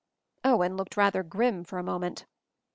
Owen looked rather grim for a moment.